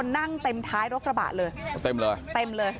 นั่งเต็มท้ายรถกระบะเลยเต็มเลยเต็มเลย